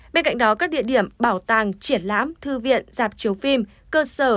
bên cạnh đó các địa điểm bảo tàng triển lãm thư viện dạp chiếu phim cơ sở